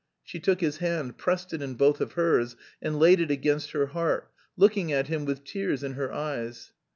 She took his hand, pressed it in both of hers, and laid it against her heart, looking at him with tears in her eyes.